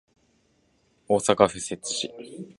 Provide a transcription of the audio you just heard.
大阪府摂津市